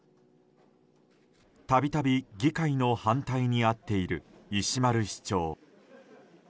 たびたび議会の反対にあっている石丸市長。